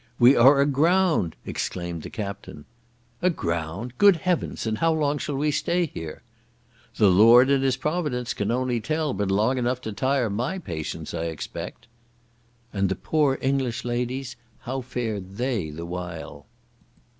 "We are aground!" exclaimed the captain. "Aground? Good heavens! and how long shall we stay here?" "The Lord in his providence can only tell, but long enough to tire my patience, I expect." And the poor English ladies, how fared they the while?